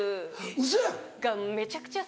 ウソやん！